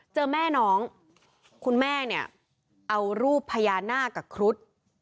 เจอแม่น้องคุณแม่เนี่ยเอารูปพญานาคกับครุฑ